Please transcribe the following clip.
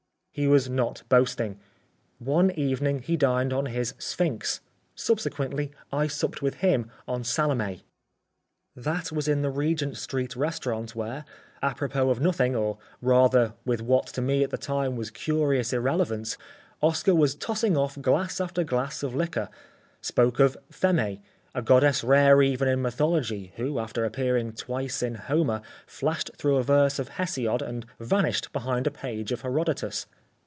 He was not boasting. One evening he dined on his "Sphinx." Subsequently I supped with him on "Salome." That was in the Regent street restaurant where, apropos of nothing, or rather with what to me at the time was curious irrelevance, Oscar, while tossing off glass after glass of liquor, spoke of Ph├®m├®, a goddess rare even in mythology, who, after appearing twice in Homer, flashed through a verse of Hesiod and vanished behind a page of Herodotos.